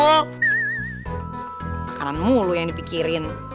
makanan mulu yang dipikirin